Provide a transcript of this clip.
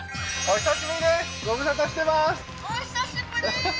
お久しぶりー！